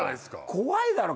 怖いだろ。